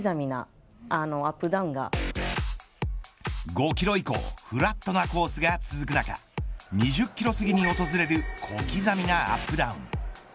５キロ以降フラットなコースが続く中２０キロすぎに訪れる小刻みなアップダウン。